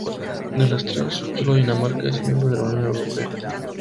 De las tres, solo Dinamarca es miembro de la Unión Europea.